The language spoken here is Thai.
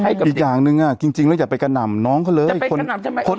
อีกอย่างนึงอ่ะจริงเราจะไปกระหน่ำน้องเขาเลย